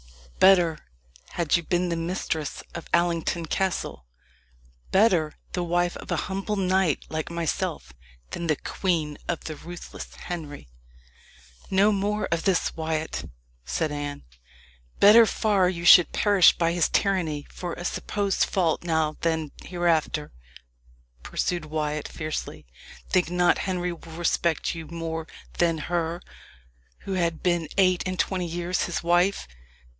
Better had you been the mistress of Allington Castle better the wife of a humble knight like myself, than the queen of the ruthless Henry." "No more of this, Wyat," said Anne. "Better far you should perish by his tyranny for a supposed fault now than hereafter," pursued Wyat fiercely. "Think not Henry will respect you more than her who had been eight and twenty years his wife.